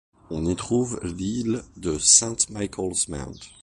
On y trouve l'île de St Michael's Mount.